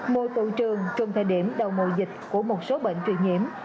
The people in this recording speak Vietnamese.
mùa tụ trường trong thời điểm đầu mùa dịch của một số bệnh truyền nhiễm